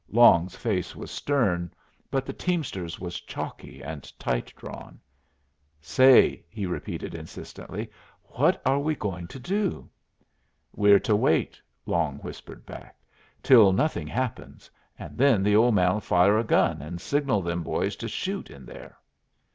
Long's face was stern, but the teamster's was chalky and tight drawn. "Say," he repeated, insistently, "what are we going to do?" "We're to wait," Long whispered back, "till nothin' happens, and then th' Ole Man'll fire a gun and signal them boys to shoot in there."